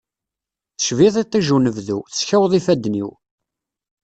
Tecbiḍ iṭij unebdu, teskaweḍ ifadden-iw.